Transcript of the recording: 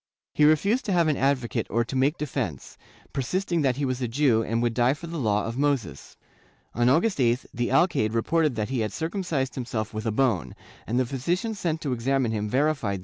He refused to have an advocate or to make defence, persisting that he was a Jew and would die for the Law of Moses. On August 8th the alcaide reported that he had circumcised himself with a bone, and the physician sent to examine him verified this and * Amador de los Rios, III, 521.